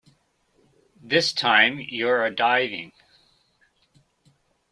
This time, you're a-diving!